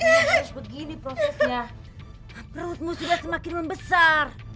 harus begini prosesnya perutmu sudah semakin membesar